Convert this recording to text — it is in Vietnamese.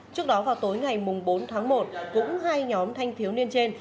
trước đó vào tối ngày bốn tháng một cũng hai nhóm thanh thiếu niên trên